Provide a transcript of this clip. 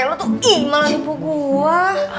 lo tuh malah nipu gue